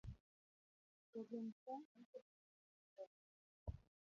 jogweng' te nochopo mondo ochiw kony